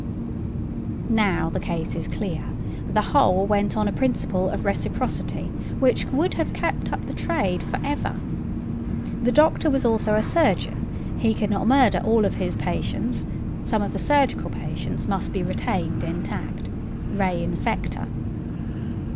Now, the case is clear: the whole went on a principle of reciprocity which would have kept up the trade for ever. The doctor was also a surgeon: he could not murder all his patients: some of the surgical patients must be retained intact; re infectâ.